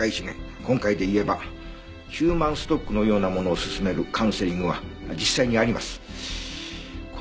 今回でいえばヒューマンストックのようなものを勧めるカウンセリングは実際にあります。